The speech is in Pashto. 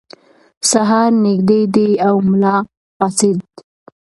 سهار نږدې دی او ملا پاڅېد.